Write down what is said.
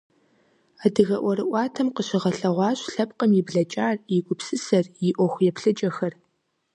Адыгэ ӀуэрыӀуатэм къыщыгъэлъэгъуащ лъэпкъым и блэкӀар, и гупсысэр, и Ӏуэху еплъыкӀэхэр.